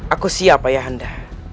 aku siap ayah anda